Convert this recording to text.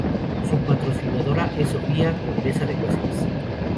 Su patrocinadora es Sofía, condesa de Wessex.